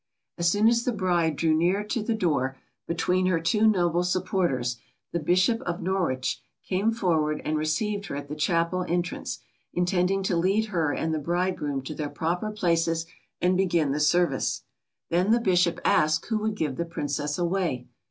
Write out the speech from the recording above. As soon as the bride drew near to the door, between her two noble supporters, the Bishop of Norwich came forward and received her at the chapel entrance, intending to lead her and the bridegroom to their proper places and begin the service. Then the bishop asked who would give the Princess away?